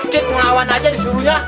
kecit ngelawan aja disuruhnya